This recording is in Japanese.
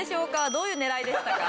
どういう狙いでしたか？